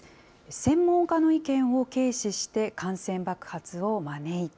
専門家の意見を軽視して、感染爆発を招いた。